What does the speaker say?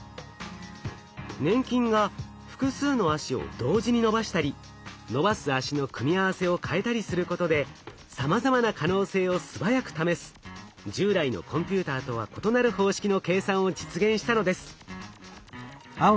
粘菌が複数の足を同時に伸ばしたり伸ばす足の組み合わせをかえたりすることでさまざまな可能性を素早く試す従来のコンピューターとは異なる方式の計算を実現したのです。